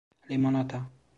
Limonata…